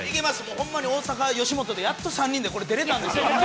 ほんまに大阪、吉本でやっと３人で出られたんです。